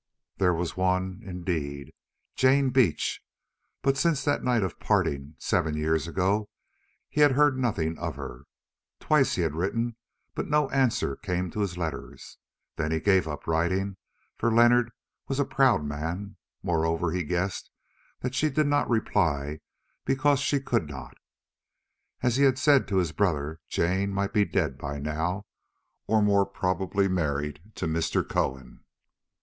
There was one indeed, Jane Beach. But since that night of parting, seven years ago, he had heard nothing of her. Twice he had written, but no answer came to his letters. Then he gave up writing, for Leonard was a proud man; moreover he guessed that she did not reply because she could not. As he had said to his brother, Jane might be dead by now, or more probably married to Mr. Cohen.